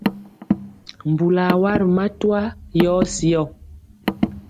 Mbulɔ a wa ri matwa yɔ syɔ.